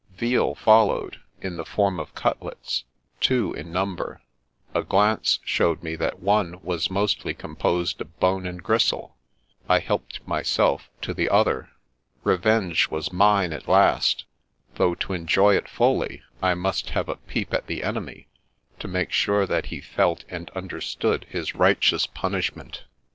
Veal followed, in the form of ratlets, two in number. A glance showed me that one was mostly composed of bone and gristle. I helped myself to the other. Revenge was mine at last, though to enjoy it fully I must have a peep at the enemy, to make sure that he felt and understood his righteous punishment.